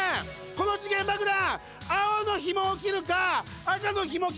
この時限爆弾。